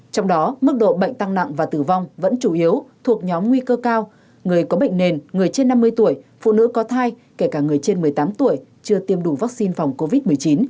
trong đó mức độ bệnh tăng nặng và tử vong vẫn chủ yếu thuộc nhóm nguy cơ cao người có bệnh nền người trên năm mươi tuổi phụ nữ có thai kể cả người trên một mươi tám tuổi chưa tiêm đủ vaccine phòng covid một mươi chín